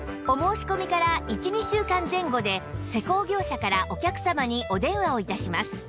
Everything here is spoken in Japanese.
お申し込みから１２週間前後で施工業者からお客様にお電話を致します